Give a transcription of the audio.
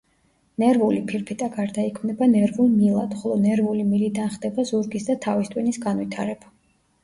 ნერვული ფირფიტა გარდაიქმნება ნერვულ მილად, ხოლო ნერვული მილიდან ხდება ზურგის და თავის ტვინის განვითარება.